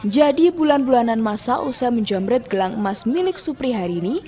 jadi bulan bulanan masa usaha menjamret gelang emas milik supri hari ini